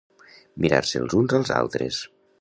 Mirar-se els uns als altres.